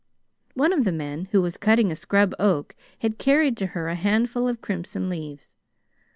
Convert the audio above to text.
One of the men, who was cutting a scrub oak, had carried to her a handful of crimson leaves.